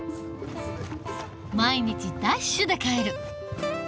毎日ダッシュで帰る。